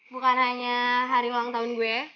bukan hanya hari ulang tahun gue